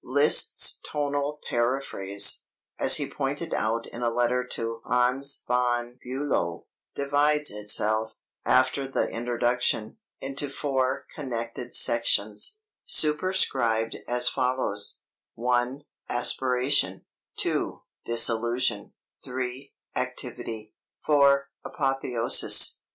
Liszt's tonal paraphrase, as he pointed out in a letter to Hans von Bülow, divides itself, after the introduction, into four (connected) sections, superscribed as follows: (1) Aspiration; (2) Disillusion; (3) Activity; (4) Apotheosis.